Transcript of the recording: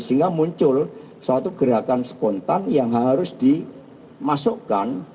sehingga muncul suatu gerakan spontan yang harus dimasukkan